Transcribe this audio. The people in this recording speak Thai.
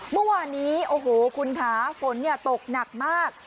เมื่อวานนี้โอ้โหคุณคะฝนตกหนักมาก